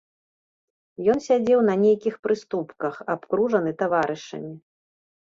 Ён сядзеў на нейкіх прыступках, абкружаны таварышамі.